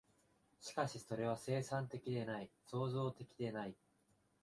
しかしそれは生産的でない、創造的でない。